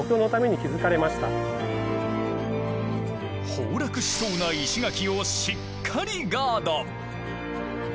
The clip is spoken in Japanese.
崩落しそうな石垣をしっかりガード。